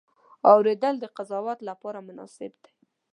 اورېدل د قضاوت لپاره بنسټ دی.